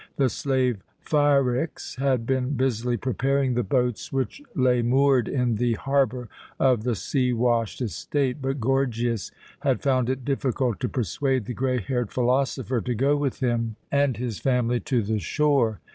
The slave Phryx had been busily preparing the boats which lay moored in the harbour of the seawashed estate, but Gorgias had found it difficult to persuade the grey haired philosopher to go with him and his family to the shore.